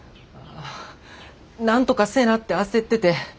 なんとかせなって焦ってて。